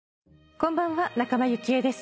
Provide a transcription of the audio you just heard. こんばんは仲間由紀恵です。